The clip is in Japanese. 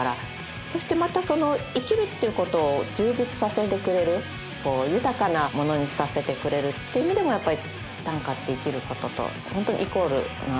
そしてまたその生きるっていうことを充実させてくれる豊かなものにさせてくれるっていう意味でもやっぱり短歌って生きることと本当にイコールなものじゃないかなと思いますね。